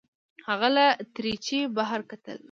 هغه له دریچې بهر کتل.